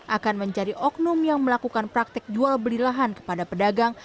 akan mencari oknum yang melakukan praktik jual beli lahan kepada pedagang